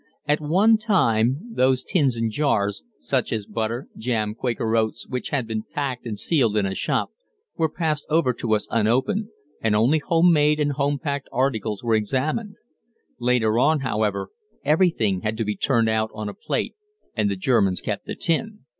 At one time those tins and jars, such as butter, jam, quaker oats, which had been packed and sealed in a shop, were passed over to us unopened, and only home made and home packed articles were examined. Later on, however, everything had to be turned out on a plate and the Germans kept the tin.